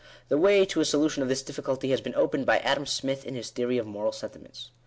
The way to a solution of this difficulty has been opened by Adam Smith in his " Theory of Moral Sentiments."